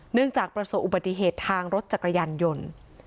จากประสบอุบัติเหตุทางรถจักรยานยนต์